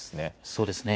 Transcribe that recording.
そうですね。